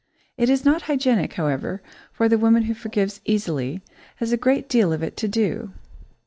It is not hygienic, however, for the woman who forgives easily has a great deal of it to do.